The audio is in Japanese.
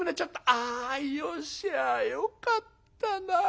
あよしゃあよかったな。